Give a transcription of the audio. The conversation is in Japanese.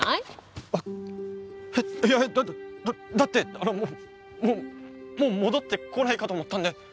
あっえっいやだってだってあのもうもう戻ってこないかと思ったんで。